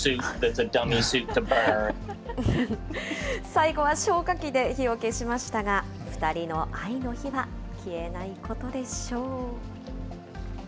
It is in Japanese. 最後は消火器で火を消しましたが、２人の愛の火は消えないことでしょう。